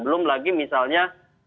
belum lagi misalnya